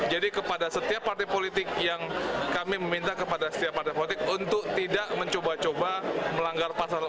jadi kepada setiap partai politik yang kami meminta kepada setiap partai politik untuk tidak mencoba coba melanggar pasal empat ratus sembilan puluh dua